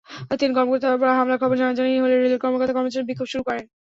তিন কর্মকর্তার ওপর হামলার খবর জানাজানি হলে রেলের কর্মকর্তা-কর্মচারীরা বিক্ষোভ শুরু করেন।